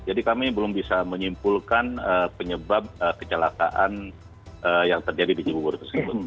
jadi kami belum bisa menyimpulkan penyebab kecelakaan yang terjadi di jepun